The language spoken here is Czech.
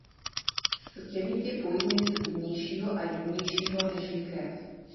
S těmi tě pojí něco divnějšího a jemnějšího nežli krev.